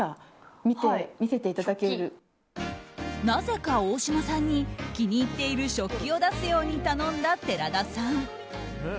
なぜか大島さんに気に入っている食器を出すように頼んだ寺田さん。